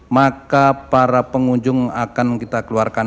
maka para pengunjung akan kita keluarkan